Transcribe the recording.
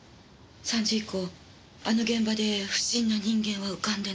３時以降あの現場で不審な人間は浮かんでない。